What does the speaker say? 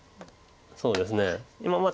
そうですね。